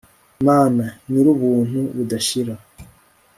mana, nyir'ubuntu budashir.